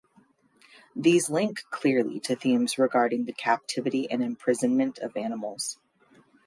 These link clearly to themes regarding the captivity and imprisonment of animals.